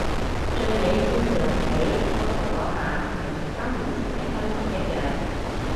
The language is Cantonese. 最尾推佢落地拖走嗰下咪同三年前嘅香港一樣